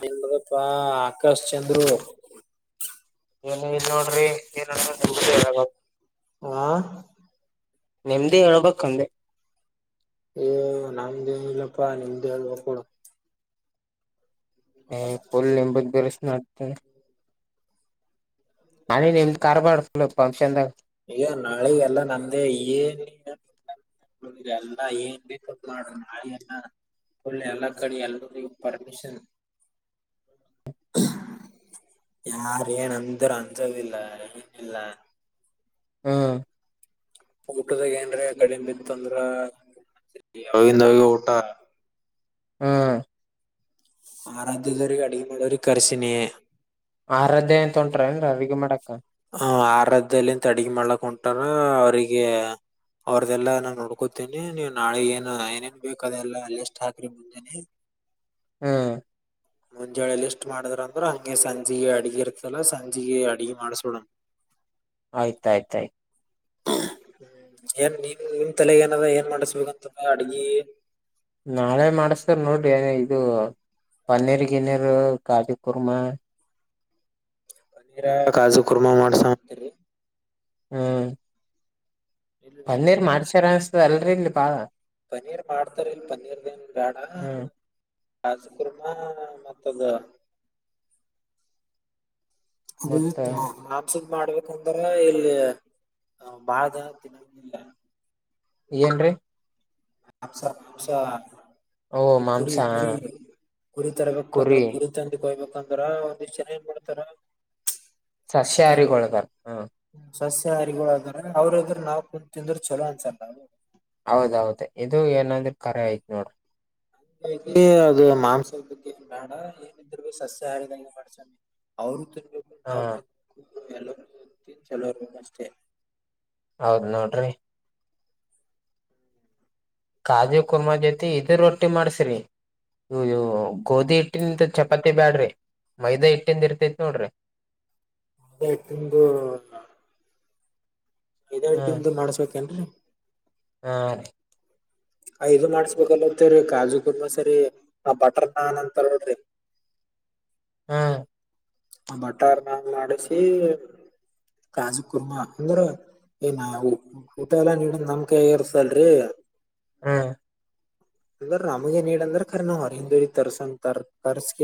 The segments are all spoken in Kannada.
ನಿನ್ದಪ್ಪಾ ಆಕಾಶ್ ಚಂದ್ರು. ಏನು ಇ ನೋಡ್ರಿ ಏನಾರು ಇದ್ರೆ ನೀವೇ ಹೇಳಬೇಕು ಆ. ನೆಮ್ದೇ ಹೇಳಬೇಕ್ಂದೆ. ಹೇ ನಮ್ಮದೇನ ಇಲ್ಲ ಪಾ ನಿಮ್ದೇ ಹೇಳಬೇಕ ಪೊಲ್ಲಿ ಬಗ್ಗರಸ್ ನಡ್ತ ನಾನ ನಿಮ್ದ್ ಕರ್ ಮಾಡ್ತಲ್ಲ ಪಂಕ್ಷನ್ದಾಗ ಏನ ನಾಳೆಗೆಲ್ಲ ನಮ್ದೇ ಏನ ಇಲ್ಲಾ ನಮ್ದೇಲ್ಲ ಏನ್ ಬೇಕಪ್ಪ ನ ನಾಳೆ ಎಲ್ಲ ಪೋಲ್ಲ ಎಲ್ಲ ಕಡಿ ಎಲ್ಲರಿಗೆ ಪರ್ಮಿಷನ್ [inaudible] ಯಾರ ಏನ ಅಂದರುೂ ಅನ್ಸೋದಿಲ್ಲ ಇಲ್ಲ ಹ್ಮ್ ಊಟದಾಗ ಹೆನ್ರೆ ಕಡಿಮೆ ಬಿಟ್ಟಂದ್ರೆ ತಂದ್ರ ಅವಿಂದ ಅವ ಊಟ ಹ್ಮ್ ಆರಧ್ಯದ ಅಡಿಗೆ ಮಾಡಳ ಕರ್ಶಿನಿಯೇ ಆರಾಧ್ಯ ಅಂತಂಟ್ರ ನ್ ಅಡಿಗೆ ಮಾಡಕ್ಕ ಹ ಆರಾಧ್ಯದಲ್ಲಿ ಅಡಗಿ ಮಾಡ್ಲಕ್ ಹೊಂಟಾರ ಅವ್ರಿಗೆ ಅವ್ರದೆೆಲ್ಲಾ ನಾನ್ ನೋಡ್ಕೋತೇನಿ ನೀವು ನಾಳೆ ಏನ ಏನೇನ್ ಬೇಕದೆಲ್ಲಾ ಅಲ್ಲಷ್ಟ ಹಾಕ್ರೆ ಬಂದೇನಿ ಹ್ಮ್ ಮುಂಜಾಳೆ ಲಿಷ್ಟ್ ಮಾಡಿದ್ರ ಅಂದ್ರ ಹಂಗೆ ಸಂಜೆಗೆ ಅಡ್ಗ ಇರ್ತಲ್ಲಾ ಸಂಜೆ ಅಡ್ಗೆ ಮಾಡಸ್ ಚಣ ಆಯ್ತಾಯ್ತಾಯ್ತು ಹ್ಮ್ ಏನ್ ನೀನ್ ನಿನ್ ತಲೆಗ ಏನದ ಏನ್ ಮಾಡಿಸಬೇಕಂತ ಅಡ್ಗಿ ನಾಳೆ ಮಾಡಸ್ತಾರ ನೋಡ್ರಿ ಇದು ಪನ್ನೀರ್ ಗಿನ್ನೀರು ಕಾಜಿ ಕುರ್ಮ ಪನೀರ ಕಾಜು ಕುರ್ಮಾ ಮಾಡಸ ಅಂತರಿ ಹ್ಮ್ ಇಲ್ರಿ ಬನ್ನೀರ್ ಮಾಡ್ಸಾರ ಅನ್ಸತದ ಅಲ್ರಿ ಇಲ್ಲಿ ಬಾಳ ಪನೀರ್ ಮಾಡ್ತಾರ ಇಲ್ ಪನೀರ್ನೇನ್ ಬೇಡ ಹ್ಮ್ ಕಾಸಕರ್ಮ ಮತ್ತದ ಮತ್ತ ಅ [unintelligible] ಮಾಡ್ಬೇಕಂದ್ರ ಇಲ್ಲಿ ಬಾಳ ತಿನ್ನಿಲ್ಲ ಏನ್ರರಿ ಅಪ್ಸ ಅಸ ಓ ಕುರಿ ಮಾಂಸ ಕುರಿ ಕುರಿ ತರಬೇಕಂದ್ರೆ ಕುರಿ ತಂದಕಯ್ಬೇಕು ತಂದ್ರ ಒಂದ್ ಚನ ಏನ್ ಮಾಡ್ತಾರ ಸಸ್ಯಾರಿ ಗೋಣಕರ್ ಹ ಸಸ್ಯಹಾರಿಗಳುದ್ರ ಅವ್ರದ್ರ ನಾವವು ಕುಂಡತ್ ತಿಂದ್ರ ಚಲೋ ಅನ್ಸಾರ ನಾವು ಹೌದೌದ ಇದು ಏನಂದ್ರೆ ಕರೆ ಆಯ್ತ್ ನೋಡ್ರ ಅದು ಮಾಂಸದ ಬಗ್ಗೆ ಬೇಡ ಏನಿದ್ರು ಭ ಸಸ್ಯ ಹಾಡಿದಂಗಗೆ ಮಾಡಸಣಿ ಅವ್ರ ಹಾ ಎಲ್ಲ ಚಲೋಗ ಅಷ್ಟೇ ಹೌದ ನೋಡ್ರಿ ಕಾಜು ಕುರ್ಮಾ ಜೊತೆ ಇದ ರೊಟ್ಟಿ ಮಾಡ್ಸ್ ಇ ಗೋಧಿ ಹಿಟ್ಟಿನಂತ ಚಪಾತಿ ಬ್ಯಾಡ್ರಿ ಮೈದಾ ಹಿಟ್ಟಿಂದ ಇರ್ತೈತ್ ನೋಡ್ರಿ ಅದ್ ತಿಂದುು ಇ ತಿಂದು ಮಾಡಸ್ಬೇಕೇನ್ರರಿ ಹ ಇದು ಮಾಡ್ಸ್ಬೇಕಲ್ತ್ತೇ್ರೀ ಕಾಜು ಕುರ್ಮಾ ಸರಿ ನ ಬಟರ್ ನಾನ್ ಅಂತ ನೋಡ್ರಿ ಹ್ಮ ಆ ಬಟಾರ್ ನನ್ ಮಾಡಿಸಿ ಕಾಜು ಕುರ್ಮಾ ಅಂದ್ರ ಏನ ಊಟ ಎಲ್ಲಾ ನೀದ್ ನಮ್ಕೈ ಏರ್ಸಲ್ರಿ ಹ್ಮ ಅಂದ್ರ ರಾಮಗೆ ನೀ ಅಂದ್ರ ರಿ ನಾವ ಅವ್ರ ತರ್ಸ ತರ್ಸಕ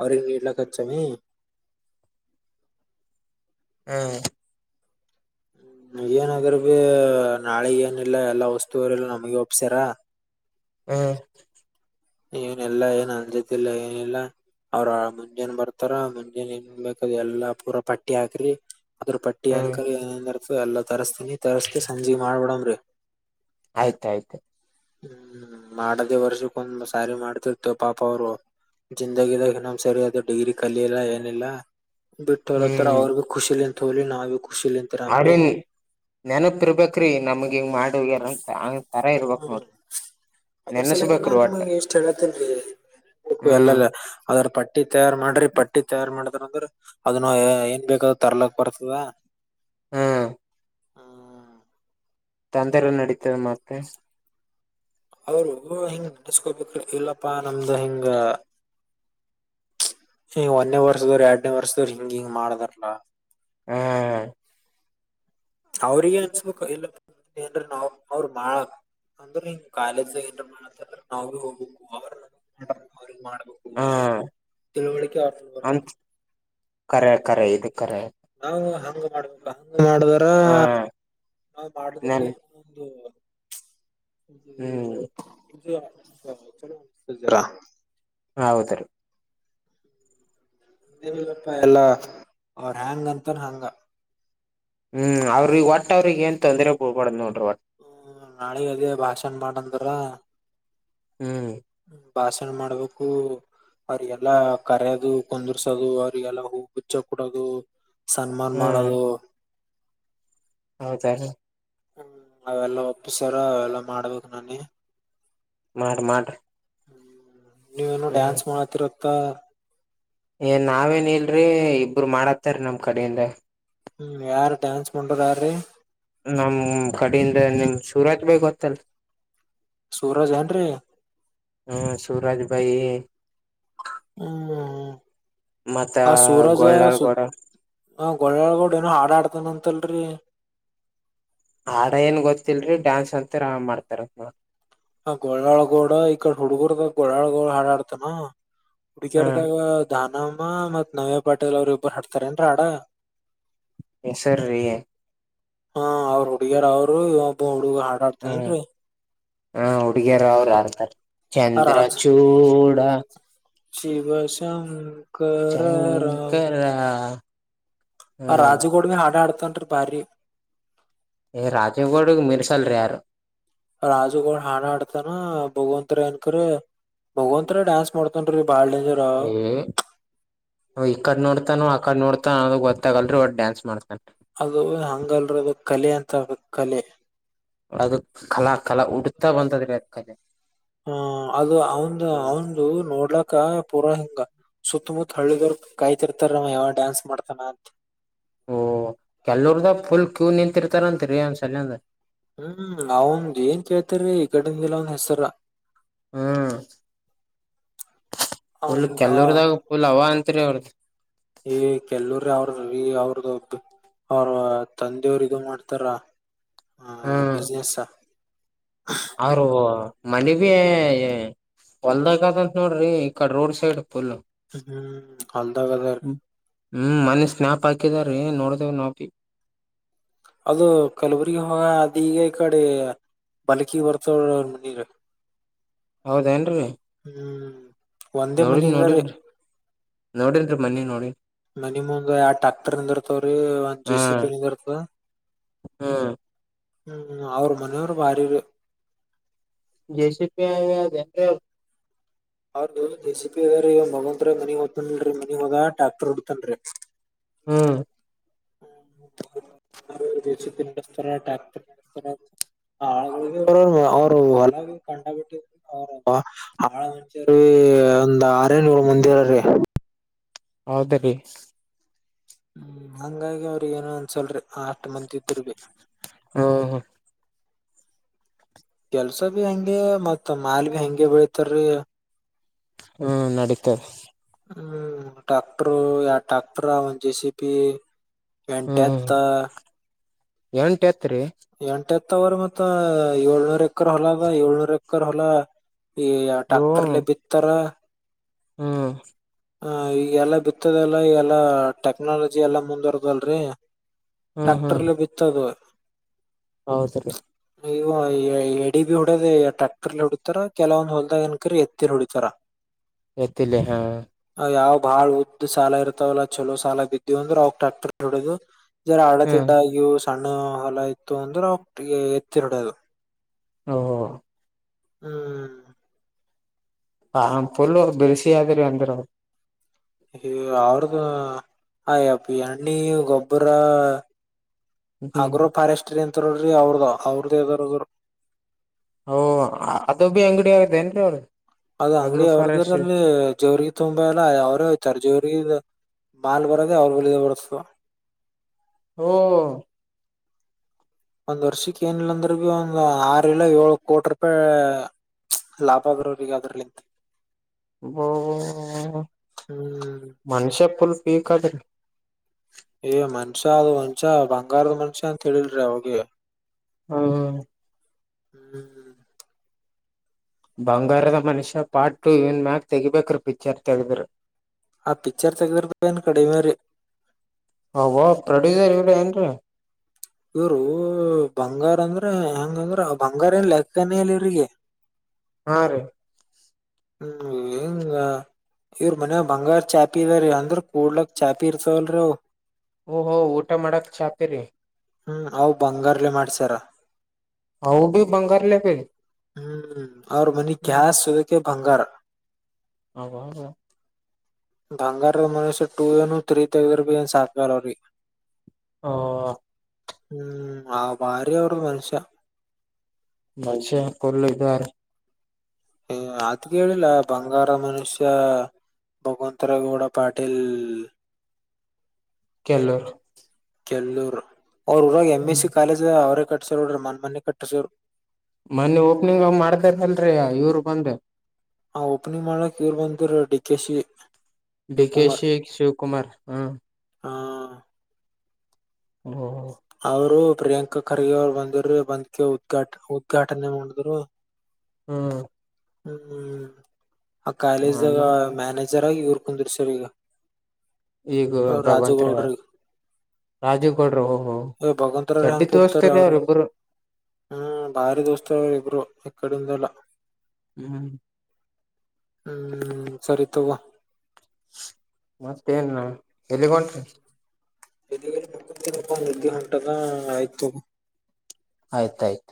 ಅವ್ರ ನೀಡ್ಲಕ್ಕ ನೀ ಹಾ [unintelligible] ಮುಜನ ಅಾದ್ರ ಭೀ ನಾಳೆಗ ಏನಿಲ್ಲ ಎಲ್ಲ ವಸ್ತುವರೆಲ್ಲ ನಮಗೆ ಒಪ್ಸ್ಯಾರ ಹ್ಮ ಏನಲ್ಲಾ ಏನ್ ಅನ್ಜತಿಲ್ಲ ಏನಿಲ್ಲ ಅವ್ರ ಮುಂಜಾನ ಬರ್ತಾರ ಮುಂಜಾನೆ ಏನ್ಬೇಕದು ಎಲ್ಲಾ ಪೂರಾ ಪಟ್ಟಿ ಹಾಕ್ರಿ ಅದ್ರ ಪಟ್ಟಿ ಹ್ಮ್ ಅನ್ಕ ಏನನ್ತ ಎಲ್ಲಾ ತರಸ್ತೀನಿ ತರಿಸಸ್ಕ ಸಂಜೆ ಮಾಡ್ಬಿಡಮ್ರಿ ಆಯ್ತಾಯ್ತು ಹ್ಮ್ ಮಾಡದೇ ವರ್ಷಕ್ಕ ಒಂದ ಬ ಸಾರಿ ಮಾಡ್ತಿರ್ತ ಪಾಪ ಅವರು ಜಿಂದಗಿದಾಗ ಇನ್ನೊಮ್ ಸರಿ ಅದು ಡಿಗ್ರಿ ಕಲಿಲ್ಲ ಏನಿಲ್ಲ ಬಿಟ್ಟತ್ತರ ಹ್ಮ್ ಅವ್ರ ಭ ಖುಿಲಿ ಅಂತ ಹಿ ನಾವು ಎಂತರಾಮ್ರೀ ಅವ್ರಿನ್ ನೆನಪ ಇರ್ಬೇಕ್ರಿ ನಮಗ ಹಿಂಗ ಮಾಡ ಹೋಗ್ಯರ ಅಂತ ಆತರ ಇರಬೇಕು ಹ್ಮ ನೋಡ್ರಿ. ಅದ್ರ ಸಲವಾಗಿ ನಾ ನೆನಸ್ಬೇಕ್ರಿ ಒಟ್ಟ ನಿಮಗ್ ಇಷ್ಟ್ ಹೇಳತೀನಿ ರಿ ಬಿಡಬೇಕು ಹ್ಮ್ ಎಲ್ಲ. ಅದ್ರ ಪಟ್ಟಿ ತಯಾರು ಮಾಡ್ರಿ ಪಟ್ಟಿ ತಯಾರ ಮಾಡದರ ಅಂದ್ರ ಅದನ್ನ ಏನ್ ಬೇಕಾದ ತರ್ಲಕ್ ಬರ್ತದ. ಹ್ಮ್. ಹ್ಮ್ಮ್ಮ್ಮ್. ತಂದರೆ ನಡೀತ ಇಲ್ಲ ಮತ್ತ. ಅವರು ಹಿಂಗ ನೆಸ್ಕೋಬೇಕ ರಿ ಇಲ್ಲಪ್ಪಾ ನಮ್ದ ಹಿಂಗ. ಒಂದನೆ ವರ್ಷದವ್ರ ಎರಡನೆ ವರ್ಷದವರು ಹಿಂಗ್ ಹಿಂಗ ಮಾಡ್ದಾರಲ್ಲಾ. ಹ್ಮ ಹ. ಅವ್ರಿಗೆ ಅನ್ಸ್ಬೇಕು ಇಲ್ಲ ಏನ್್ರ ನಾವ ಅವ್ರರು ಮಾಡಕ್ ಅಂದ್ರೆ್ ಕಾಲೇಜ್ ಎಟ ಮಾಡತ್ತ ಅ್ರ ನಾವ ಹೋಗ್ಬೇಕು ಅವ್ರ ಅವ್ರ ಮಾಡ ಮಾಡ್ಬೇಕು ಹಾ ತಿಳುವಳಿಕೆ ಅಂತ ಬರ್ಬೇಕು ಕರೆ ಕರೆ ಇದು ಕರೆ. ನಾವು ಹಂಗ ಮಾಡಬೇಕು ಅನ್ನೋದು. ಮಾಡಿದಾರ ಹಾ ನ ನನ್ ಮಾಡದಕ್ಕೆಂದು ಹ್ಮ್ ರ ಹ್ಮ್ಮ ಹೌದ ರಿ. ನಮದು ಏನಿಲ್ಲಪ ಎಲ್ಲಾ ಅವ್ರ ಎಂಗಾ ಅಂತರ ಹಂಗ. ಹ್ಮ್ ಅವ್ರಿಗೆ ಇಗ್ ಒಟ್ಟ ಅವ್ರಿಗೆ ಏನ್ ತೊಂದ್ರೆ ಕೊಡಬಾಡದು ನೋಡ. ಹ್ಮ ನಾಳೆಗ ಅದೇ ಭಾಷಣ ಮಾಡ ಅಂದರ. ಹ್ಮ್ ಭಾಷಣ ಮಾಡ್ಬೇಕು. ಅವ್ರಿಗೆಲ್ಲ ಕರೆಯದು ಕುಂದರ್ಸೋದು ಅವ್ರಿಗೆಲ್ಲ ಹೂ ಬುಚ್ಚ ಕುಡೋದು. ಸನ್ಮಾನ ಮಾಡೋದು. ಹೌದ. ಹ್ಮ್ ಅವೆಲ್ಲ ಒಪ್ಪಸ್ಯಾರ ಅವೆಲ್ಲ ಮಾಡಬೇಕು ನಾನೆ. ಮಾಡ ಮಾಡ್. ನೀವೇನೋ ಡ್ಯಾನ್ಸ್ ಮಾಡಕತಿರಂತ. ಏ ನಾವೇನ್ ಇಲರಿ ಇಬರು ಮಾಡತ್ತಾರ ನಮ್ ಕಡೆಯಿಂದ. ಹ್ಮ್ ಯಾರ್ ಡ್ಯಾನ್ಸ್ ಮಾಡೋರ ಯಾರೀ. ನಮ ಕಡಿಂದ ನಿಮ್ ಸೂರತ್ ಬೈ ಗೊತ್ತಲ್. ಸೂರಜ್ ಏನ್ರೀ ಹ್ಮ ಸುರಾಜ ಭೈ. ಹ್ಮ್ ಮತ್ತ ಆ ಸೋರಾಜ ಗೋಳ್ಳಾಳ್ ಸೌಕ. ಗೌಡ ಅವ ಗೊಳ್ಳಲಾ ಗೌಡ ಏನೋ ಹಾಡ ಆಡ್ತನ ಅಂತಲರಿ. ಹಾಡ ಏನ್ ಗೊತ್ತಿಲ್ರಿ ಡ್ಯಾನ್ಸ್ ಅಂತರ ಮಾಡತಾರಂತ ನೋಡರಿ. ಅವ ಗೋಳಾಳ ಗೌಡ ಈಕಡೆ ಹುಡುಗುರದು ಗೋಳಾಳ ಗೌಡ ಹಾಡ ಆಡ್ತಾನ. ಹ್ಮ್ ಹುಡಗಿರದಾಗ ನಾ. ನಮ್ಮ ಮತ್ ನವ್ಯ ಪಾಟೇಲ್ ಅವ್ರ ಇಬ್ಬರು ಹಾಡ್ತಾರ ಏನ್ ಹಾಡ. ಹೆಸರ ರಿ. ಹ್ಮ್ ಅವರ ಹುಡಗಿರ ಅವರು ಇವ ಒಬ್ಬ ಹುಡುಗ ಹಾಡಾಡ್ತೇನ್ರಿ. ಹ್ಮ್ ಹುಡುಗಿಯರ ಅವ್ರು ಹಾಡತಾರ ಆ ಚಂದ್ರ ಚೂಡ. ಶಿವ ಶಂಕರ ರಾಮ. ಶಂಕರ ಅವ ಹ್ಮ್ ರಾಜಗೌಡ ಬೀ ಹಾಡ ಆಡ್ತನ್ ಭಾರಿ. ಚಲ್ರಾರು ರಾಜುಗೌಡ ಹಾಡ ಆಡತನ ಭಗವಂತರ ಅಂಕರಾ ಭಗವಂತರ ಡ್ಯಾನ್ಸ್ ಮಾಡತಾನ ರಿ. ಹ್ಮ ಈ ಕಡೆ ನೋಡ್ತಾನ ಆ ಕಡೆ. ಯಾಕಡೆ ನೋಡತಾನ ಅನ್ನೋದು ಗೊತ್ತಾಗಲ ರಿ ಒಟ್ಟ ಡ್ಯಾನ್ಸ್ ಮಾಡತನ. ಅದು ಅಂಗಲರಿ ಅದು ಕಲೆ ಅಂತ ರಿ ಕಲೆ. ಅದು ಕಲಾ ಕಲಾ ಹುಟ್ಟುತ ಬಂದದ್ರಿ ಅದ್ ಕಲೆ. ಹ ಅದು ಅವಂದ ಅವಂದು ನೋಡ್ಲಕ್ಕ ಪೂರಾ ಹಿಂಗ ಸುತ್ತಮುತ್ತ ಹಳ್ಳಿದವರ್ ಕಾಯ್ತಿರ್ತಾರಮ್ಮ ಯಾವ ಡಾನ್ಸ್ ಮಾಡ್ತಾನ ಅಂತ ಓ ಕೆಲವರ್ದ ಫುಲ್ ಕ್ಯೂ ನಿಂತಿರ್ತಾರಂತರಿ ಒಂದ್ಸಲ್ಯಂದ ಹ್ಮ್ ನಾವಂದ್ ಏನ್ ಕೇಳ್ತಾರೀ ಈ ಕಡಿಂದ ಎಲ್ಲ ಒಂದ್ ಹೆಸರ ಹ್ಮ ಅವ ಫುಲ್ ಹಿಂಗ್ ಕೆಲ್ವರದಾಗ ಫುಲ್ ಅವ ಅಂತ ಅಂತ್ರಿ ಅವರ್ ಈ ಕೆಲವರ ಅವ್ರ ರೀ ಅವ್ರದ್ದ್ದ ಅವ್ರ ತಂದೆಯವರು ಇದು ಮಾಡ್ತಾರ ಆ ಹ್ಮ್ ಬಿಸ್ನೆಸ್ ಅವರು ಮನ ಬಿ ಹೊಲ್ದಾಗತ್ಂತ ನೋಡ್ರಿ ಈಕಡೆ ರೋಡ್ ಸೈಡ್ ಫುಲ್ ಹ್ಮ್ ಅಲ್ದಾಗಾದಾರ್ ಹ್ಮ್ ಮನೆ ಸ್ನಾಪ್ ಹಾಕಿದಾರೀ ನೋಡ್ದೇವ ನೋಪಿ ಅದು ಕಲಬುರಗಿ ಹೋಗ ಅದ ಈಗ ಈ ಕಡೆ ಬಲಕಿ ಬರ್ತಾವ ಅವರ್ ಮನಿಗೆ ಹೌದೇನ್ರರಿ ಒಂದೇ ನೋಡನ್ ಮನಿ ಅದರಿ. ನೋಡನ್ರಿ ನೋಡನ್ರಿ ಮನ್ನಿ ನೋಡನ್ ಮನಮ ಮುಂದ್ ಯಾವ ಟ್ರ್ಯಾಕ್ಟರ್ ನಿಂದ ಇರ್ತವ್ರೀ ಒಂದ್ ಜೆ ಸಿ ಪಿ ನಿಂದ ಇರ್ತ ಹಾ ಹ್ಮ್ ಅವ್ರ ಮನೆಯವರು ಭಾರಿರು ಜೆ ಸಿ ಪಿ ಆ [unintelligible] ಹೌದು ಜ ಸಿ ಪಿ ಇವ ಮಗಂತ್ತ್ರ ಮನಿ ಹಓದ್ತನರರಿ ಮನಿ ಹೋದ ಟ್ಯಾಕ್ಟರ್ ಹಡ್ತನ್ ರಿ ಹ್ಮ್ ಹ ಜೆಸಿಪಿ ನಡೆಸ್ತಾರ ಟ್ರ್ಯಾಕ್ಟರ್ ನಡೆಸುತ್ತಾರೆ ಆ ಅವರು ಹೊಲ ಕಂಡ ಬಿಟ್ಟಿದ ಅವ ಆಳ ಮಂಚ ಒಂದ ಆರರಿಂದ ಏಳು ಮಂದಿ ಆರ್ರೇ ಹೌದ ರೀ ಹ್ಮ್ ಹಂಗಾಗಿ ಅವ್ರಿ ಏನು ಅಂದಸಲ್ರಿ ಅಷ್ಟು ಮಂದಿ ಇದ್ದರು ಬೀ ಹ್ಮ ಕೆಲ್ಸ ಬೀ ಹಂಗೆ ಮತ್ತ್ ಮಾಲ್ ಬಿ ಹಂಗೆ ಬೆಳಿತಾರರಿ ಹ್ಮ ನಡೀತದೆ ಹ್ಮ್ ಟಾಕ್ಟರು ಎರಡು ಟಾಕ್ಟರ್ ಒಂದು ಜೇ ಸಿ ಪಿ ಟೆಂಟು ಎತ್ತು ಎಂಟು ಎತ್ತೂರಿ ಮತ್ತವ್ರ ಮತ್ತ ಏಳ್ನೂರ್ ಎಕರ್ ಹೊಲ ಅದ ಏಳ್ನೂರ್ ಎಕರ್ ಹೊಲ ಈ ಟಾಕ್ಟರ್ಲೆ ಬಿತ್ತಾರ ಹ್ಮ ಹ ಈಗ ಎಲ್ಲಾ ಬಿತ್ತದಲ್ಲ ಎಲ್ಲಾ ಟೆಕ್ನಾಲಜಿ ಎಲ್ಲಾ ಮುಂದುವರದಲ್ರಿ ಟ್ಯಾಕ್ಟರ್ಲ್ಲ ಬಿತ್ತದು ಹೌದು ರೀ ನೀವು ಎಡಿ ಬಿ ಹೊಡದ ಟ್ಯಾಕ್ಟರ್ಲ್ಲಿ ಹೊಡಿತತಾರ ಕೆಲವೊಂದ್ ಹೊಲ್ದಾಗ ಅನ್ಕರಿ ಎತ್ತಿ ಲಿ ಹೊಡಿತಾರ ಎತ್ತಲ್ಲಿ ಹಾ ಯಾವ್ ಬಾಳ್ ಉದ್ದ ಸಾಲ ಇರ್ತಾವಲ್ಲ ಚಲೋ ಸಾಲ ಬಿದ್ದವು ಅಂದ್ರೆ ಅವಾಗ ಟ್ರ್ಯಾಕ್ಟರ್ ಹೊಡದು ಜರ ಹ್ಮ್ ಹಳತಿಡ್ಡಗು ಸಣ್ಣ ಹೊಲ ಇತ್ತು ಅಂದ್ರೆ ಅವ ಎತ್ತಿ ಹೂಡಿಯೋದು ಅದು ಹ ಹ್ಮ್ ಹ ಫುಲ್ಲ ಬಿರೆಸಿ ಆದ್ರೆ ಅಂದ್ರ ಅವರು ಹ ಅವ್ರದ ಹಯಪ್ಪ ಎಣ್ಣಿ ಗೊಬ್ಬರ ಹ್ಮ್ ಆಗ್ರೋ ಫಾರೆಸ್ಟ್ರಿ ಅಂತಾರ್ರಿ ಅವ್ರದ ಅವ್ರದ ಯದಾರದರು ಹ ಅದು ಬಿ ಅಂಗಡಿ ಆದೆೇಏನ್ರೀ ಅವರ್ಧು ಅದ್ ಅಂಗಡಿ ಅವ್ರಗಲ್ಲಿ ಜವರಿಗೆ ತುಂಬಾ ಎಲ್ಲ ಅವ್ರೇ ಹಯ್ತಾರ ಜೋಗ ಬಾಲ್ ಬರೋದೆ ಅವ್ರು ಬಿಗೆ ಬರ್ತ ಹ್ಮ ಒಂದ್ ವರ್ಷಕ್ ಏನಿಲ್ಲಾ ಅಂದ್ರಗ ಒಂದು ಆರು ಇಲ್ಲ ಏಳು ಕೋಟಿ ರೂಪಾಯಿ ಲಾಭ ಬರೋರ ಈಗ ಅದ್ರಲ್ಲಿಂತ ಹ್ಮ್ ಮನುಷ್ಯ ಪುಲ್ ಪೀಕ್ ಅದ್ರೀ ಏ ಮನುಷ್ಯ ಅದು ಮನ್ಷ್ಯ ಬಂಗಾರದ ಮನುಷ್ಯ ಅಂತ ತಿಳ್ರಗೆ ಹ್ಮ್ ಹ್ಮ್ ಬಂಗಾರದ ಮನುಷ್ಯ ಪಾರ್ಟ್ ಟು ಇವನ್ ಮ್ಯಾಗ ತೆಗಿಬೇಕ್ರ ಪಿಕ್ಚರ್ ತೆಗೆದ್ರರು ಆ ಪಿಕ್ಚರ್ ತೆಗೆದ್ರ ಪನ್ ಕಡಿಮರಿ ಹೌ ಪ್ರೊಡ್ಯೂಸರ್ ಇವರ ಏನ್ ರೀ ಇವರು ಬಂಗಾರ ಅಂದ್ರ ಹೆಂಗಂದ್ರ ಬಂಗಾರ ಏನ್ ಲೆಕ್ಕನಲಿ ಇವ್ರಿಗೆ ಹಾ ರೀ ಹ್ಮ್ [unintelligible] ಇವ್ರ ಮನ್ಯ ಬಂಗಾರ ಚಾಪಿ ಇದಾರೀ ಅಂದ್ರ ಕೂಡ್ಲಕ್ಕ ಚಾಪಿ ಇರ್ತವಲ್ರೀ ಅವ ಓ ಹೊ ಊಟ ಮಾಡಕ್ ಛಾತಿರಿ ಹ್ಮ್ ಅವ್ ಬಂಗಾರಲೆ ಮಾಡ್ಸಾರ ಹೌ ಬಿ ಬಂಗಾರಲೆಫ ಹ್ಮ್ ಅವ್ರ ಮನಿ ಗ್ಯಾಸ್ ಅದಕ್ಕೆ ಬಂಗಾರ ಹಬ ಹ ಬಂಗಾರದ ಮನುಷ್ಯ ಟು ಏನು ಥ್ರೀ ತಗರ್ಬ ಏನ್ ಸಾಕಾಲರಿ ಹ ಹ್ಮ್ ಆ ಭಾರ ಅವರ ಮನುಷ್ಯ ಮೆ ಕೊಲದಾರ ಹ ಅದೇಳಿಲ್ಲ ಬಂಗಾರ ಮನುಷ್ಯ ಭಗವಂತರ ಗೌಡ ಪಾಟೀಲ್ ಕಲ್ಲೂರ್ ಕೆಲ್ಲೂರ್ ಅವ್ರಊಾಗ ಎಮ್ ಎಸ್ ಸಿ ಕಾಲೇಜ್ ಅವ್ರೇ ಕಟ್ಟಸೋರ್ ನೋಡ್ರಿ ಮನ್ ಮೊನೆ ಕಟ್ಟಸೋರು ಮೊನ್ನೆ ಓಪನಿಂಗ್ ಮಾಡ್ತಾರ ಅಲ್ರಿ ಇವರು ಬಂದ ಹ ಓಪನಿಂಗ್ ಮಾಡ್ಲಕ್ ಇವರು ಬಂದರ ಡಿಕಶಿ ಡಿ ಕೆ ಶಿ ಶಿವಕುಮಾರ್ ಹ ಹ ಹ್ಮ ಅವರು ಪ್ರಿಯಾಂಕಾ ಖರ್ಗೆ ಅವರು ಬಂದ್ರಿ ಬಂದ್ಕ ಉದ್ಘಾಟ ಉದ್ಘಾಟನೆ ಮಾಡಿದ್ರು ಹ್ಮ್ ಹ್ಮ್ ಆ ಮಾಡ ಕಾಲೇಜ್ದಾಗ ಮಾಡ ಮ್ಯಾನೇಜರ್ ಆಗಿ ಇವರ್ ಕುಂದರ್ ಸರ್ ಈಗ ಈಗ ಭಗವಂತರ ರಾಜಗೌಡರು ರಾಜೀವ್ ಗೌಡ್ರು ಓಹೋ ಭಗವಂತರರು ಚಡ್ಡಿ ಹೆಂಗ ಕೊಡ್ತಾರೆ ತೋರ್ಸ್ತಾರ ಅವರು ಅವ್ರಿಬ್ರು ಹ್ಮ್ ಭಾರಿ ದೋಸ್ತ ಎಬರು ಎಕ್ಕಡಂದ ಅಲ್ಲ ಹ್ಮ್ ಹ್ಮ್ ಸರಿ ತವಾ ಮತ್ತೇನ್ ಎಲ್ಲಿಗೆ ಹೊಂಟ್ರಿ ಗಂಟದ ಆಯ್ತು ಆಯ್ತಾಯ್ತು